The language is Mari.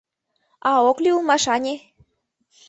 А ок лий улмаш, ане?